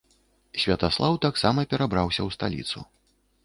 Святаслаў таксама перабраўся ў сталіцу.